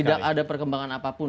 tidak ada perkembangan apapun